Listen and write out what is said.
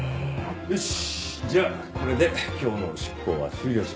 よしじゃあこれで今日の執行は終了します。